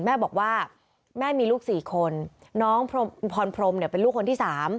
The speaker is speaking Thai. แม่บอกว่าแม่มีลูก๔คนน้องพรพรมเนี่ยเป็นลูกคนที่๓